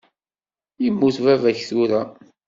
Yemmut baba-k tura.